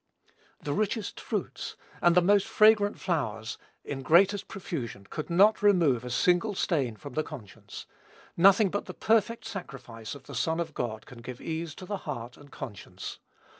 The richest fruits, and the most fragrant flowers, in the greatest profusion, could not remove a single stain from the conscience. Nothing but the perfect sacrifice of the Son of God can give ease to the heart and conscience.